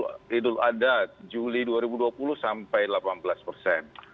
di libur haidul adat juli dua ribu dua puluh sampai delapan belas persen